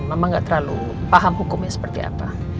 mama gak terlalu paham hukumnya seperti apa